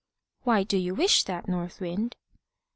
"Why do you wish that, North Wind?"